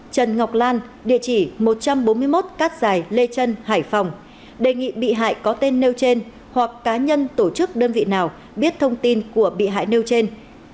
trần ngọc lan địa chỉ một trăm bốn mươi một cát dài lê trân hải phòng đề nghị bị hại có tên nêu trên hoặc cá nhân tổ chức đơn vị nào biết thông tin của bị hại nêu trên